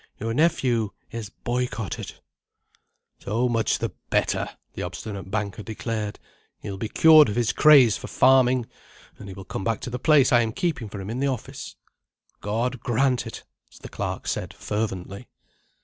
Your nephew is boycotted." "So much the better," the obstinate banker declared. "He will be cured of his craze for farming; and he will come back to the place I am keeping for him in the office." "God grant it!" the clerk said fervently.